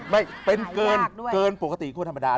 ไม่เป็นเกินปกติทั่วธรรมดา